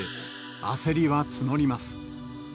焦りは募ります。